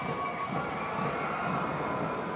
สวัสดีทุกคน